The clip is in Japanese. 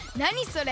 それ。